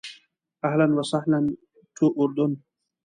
اهلاً و سهلاً ټو اردن.